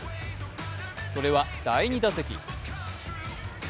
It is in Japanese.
それは第２打席。